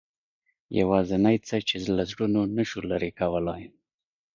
یوازینۍ څه چې له زړونو نه شو لرې کولای.